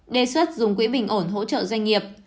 đề xuất dùng quỹ bình ổn hỗ trợ doanh nghiệp